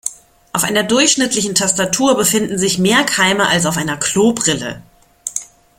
Auf einer durchschnittlichen Tastatur befinden sich mehr Keime als auf einer Klobrille.